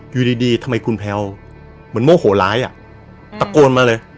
อยู่ดีดีทำไมคุณแพลวเหมือนโมโหร้ายอ่ะตะโกนมาเลย